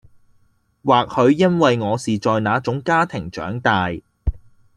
或許因為我是在那種家庭長大